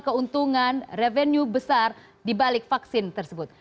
keuntungan revenue besar di balik vaksin tersebut